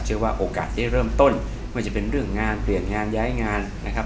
เชื่อว่าโอกาสที่เริ่มต้นก็จะเป็นเรื่องงานเปลี่ยนงานย้ายงานนะครับ